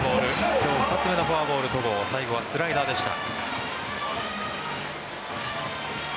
今日２つ目のフォアボール戸郷、最後はスライダーでした。